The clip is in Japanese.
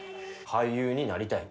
俳優になりたい。